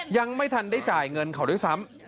ยังไม่ทันได้จ่ายเงินเขาด้วยซ้ำ